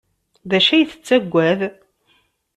D acu ay tettaggad?